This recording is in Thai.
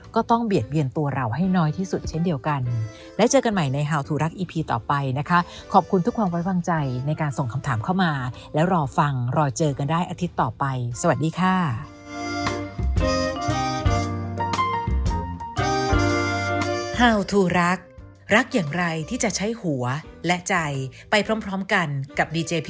รอฟังรอเจอกันได้อาทิตย์ต่อไปสวัสดีค่ะ